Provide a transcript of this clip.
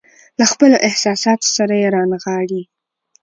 له خپلو احساساتو سره يې رانغاړي.